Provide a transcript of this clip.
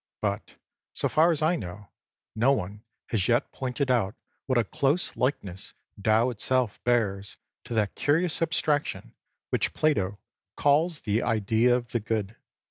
But, so far as I know, no one has yet pointed out what a close likeness Tao itself bears to that curious abstraction which Plato calls the Idea of the Good.